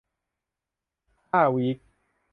ห้าวีค